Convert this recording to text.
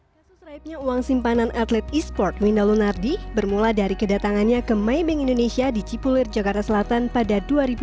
kasus raibnya uang simpanan atlet e sport wina lunardi bermula dari kedatangannya ke ming indonesia di cipulir jakarta selatan pada dua ribu dua puluh